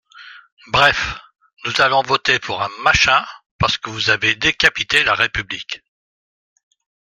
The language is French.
Bref, nous allons voter pour un « machin » parce que vous avez décapité la République.